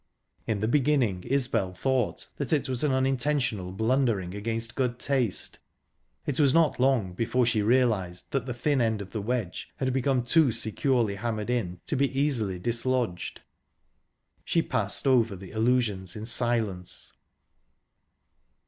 In the beginning Isbel thought that it was an unintentional blundering against good taste. It was not long before she realised that the thin end of the wedge had become too securely hammered in to be easily dislodged. She passed over the allusions in silence.